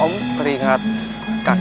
om keringat kakek aku